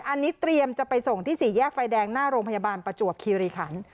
อันนี้เตรียมจะไปส่งที่สี่แยกไฟแดงหน้าโรงพยาบาลประจวบคีรีขัน